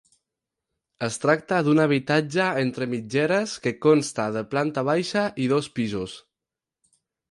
Es tracta d'un habitatge entre mitgeres que consta de planta baixa i dos pisos.